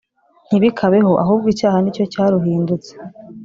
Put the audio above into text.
Ntibikabeho ahubwo icyaha ni cyo cyaruhindutse